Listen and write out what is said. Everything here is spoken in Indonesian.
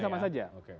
akan sama saja